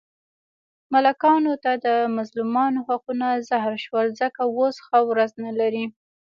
ملکانو ته د مظلومانو حقونه زهر شول، ځکه اوس ښه ورځ نه لري.